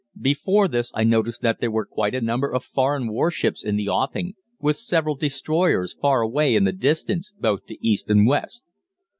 Before this I noticed that there were quite a number of foreign warships in the offing, with several destroyers far away in the distance both to east and west.